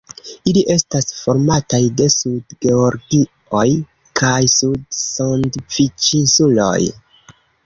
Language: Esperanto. Ili estas formataj de Sud-Georgioj kaj Sud-Sandviĉinsuloj.